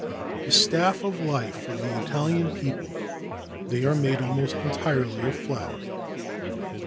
The staff of life of the Italian people, they are made almost entirely of flour.